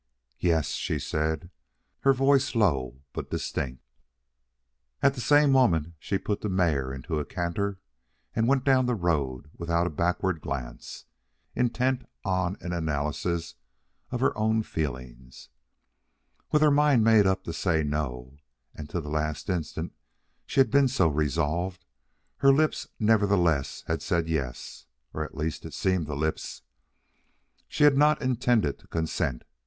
"Yes," she said, her voice low but distinct. At the same moment she put the mare into a canter and went down the road without a backward glance, intent on an analysis of her own feelings. With her mind made up to say no and to the last instant she had been so resolved her lips nevertheless had said yes. Or at least it seemed the lips. She had not intended to consent.